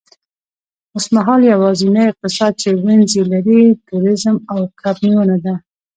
اوسمهال یوازینی اقتصاد چې وینز یې لري، تورېزم او کب نیونه ده